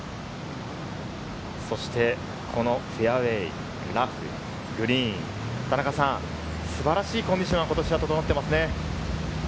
そしてこのフェアウエー、ラフ、グリーン、田中さん、素晴らしいコンディションが今年は整っていますね。